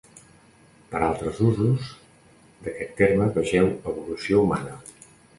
Per a altres usos d'aquest terme vegeu Evolució humana.